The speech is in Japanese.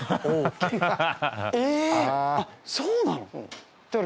あっそうなの？